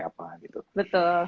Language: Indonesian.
apa gitu betul